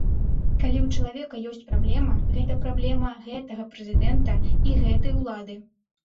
Калі ў чалавека ёсць праблема, гэта праблема гэтага прэзідэнта і гэтай улады.